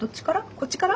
こっちから？